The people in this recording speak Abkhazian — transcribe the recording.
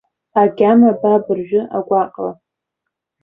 Агьама ба абыржәы агәаҟра.